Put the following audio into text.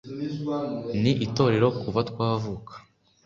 ni itorero, kuva twavuka